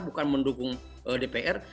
bukan mendukung dpr